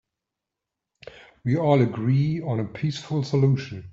We all agree on a peaceful solution.